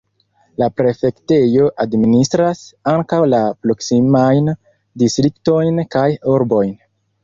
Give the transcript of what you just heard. La prefektejo administras ankaŭ la proksimajn distriktojn kaj urbojn.